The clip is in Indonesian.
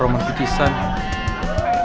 jangan lagi kita pengemuk